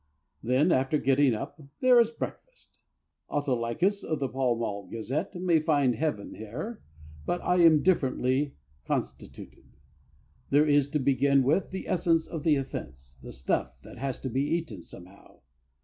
Then, after getting up, there is breakfast. Autolycus of the Pall Mall Gazette may find heaven there, but I am differently constituted. There is, to begin with the essence of the offence the stuff that has to be eaten somehow.